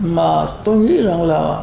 mà tôi nghĩ rằng là